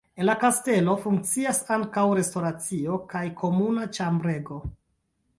En la kastelo funkcias ankaŭ restoracio kaj komuna ĉambrego.